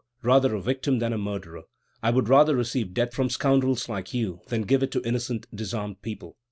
Rather a victim than a murderer! I would rather receive death from scoundrels like you, then give it to innocent, disarmed people.